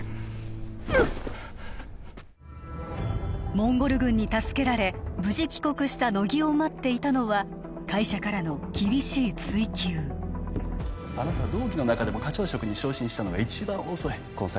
モンゴル軍に助けられ無事帰国した乃木を待っていたのは会社からの厳しい追及あなたは同期の中でも課長職に昇進したのが一番遅いこの先